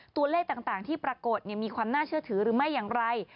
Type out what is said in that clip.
ตัวเลขต่างที่ปรากฏมีความน่าเชื่อถือหรือไม่อย่างไร